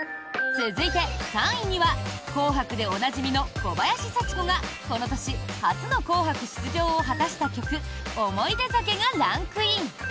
続いて３位には「紅白」でおなじみの小林幸子がこの年初の「紅白」出場を果たした曲「おもいで酒」がランクイン。